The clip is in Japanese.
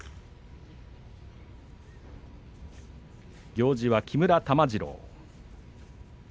行司は木村玉治郎。